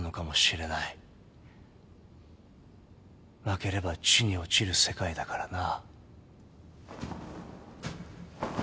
負ければ地に落ちる世界だからな。